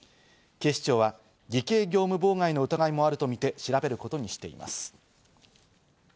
警視庁は偽計業務妨害の疑いもあるとみて調べることにしています。